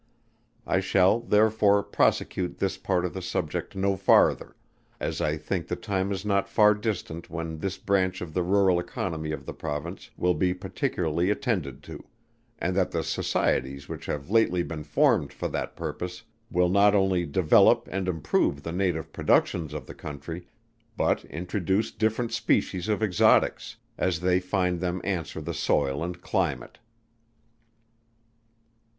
I shall, therefore, prosecute this part of the subject no farther, as I think the time is not far distant when this branch of the rural economy of the Province will be particularly attended to; and that the Societies which have lately been formed for that purpose, will not only develope and improve the native productions of the country, but introduce different species of exotics, as they find them answer the soil and climate.